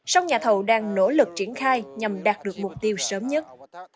sông nhà thầu đang nỗ lực triển khai nhằm đạt được mục tiêu sớm nhất